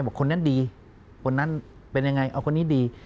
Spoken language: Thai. คนนั้นดีคนนั้นเป็นยังไงเอาคนนี้ดี